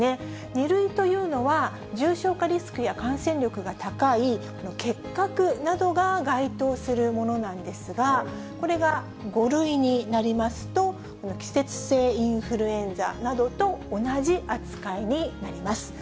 ２類というのは、重症化リスクや感染力が高い、結核などが該当するものなんですが、これが５類になりますと、季節性インフルエンザなどと同じ扱いになります。